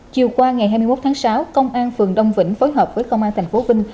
chiều qua ngày hai mươi một tháng sáu công an phường đông vĩnh phối hợp với công an thành phố vinh